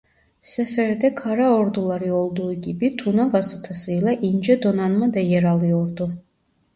Seferde kara orduları olduğu gibi Tuna vasıtasıyla İnce donanma da yer alıyordu.